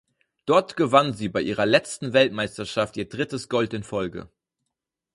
Dort gewann sie bei ihrer letzten Weltmeisterschaft ihr drittes Gold in Folge.